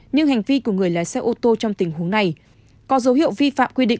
nhưng hành vi của người lái xe ô tô trong tình huống này có dấu hiệu vi phạm quy định